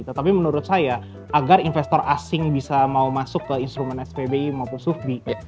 tetapi menurut saya agar investor asing bisa mau masuk ke instrumen spbi maupun sufbi